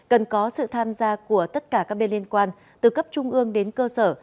cần có sự tham gia của tất cả các bên liên quan từ cấp trung ương đến cơ sở